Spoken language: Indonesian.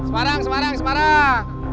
semarang semarang semarang